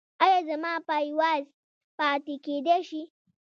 ایا زما پایواز پاتې کیدی شي؟